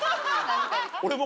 俺も。